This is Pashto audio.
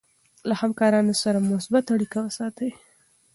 له همکارانو سره مثبت اړیکه وساتئ.